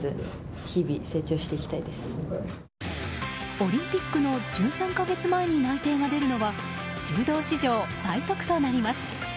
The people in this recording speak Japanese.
オリンピックの１３か月前に内定が出るのは柔道史上最速となります。